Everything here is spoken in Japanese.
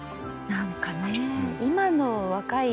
何かね。